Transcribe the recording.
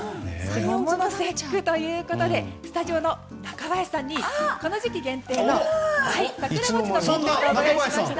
桃の節句ということでスタジオの中林さんにこの時期限定の桜餅の金平糖を用意しました。